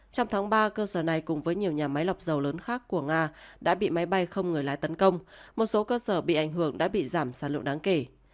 trong tháng ba cơ sở này cùng với nhiều nhà máy lọc dầu lớn khác của nga đã bị máy bay không người lái tấn công một số cơ sở bị ảnh hưởng đã bị giảm sản lượng đáng kể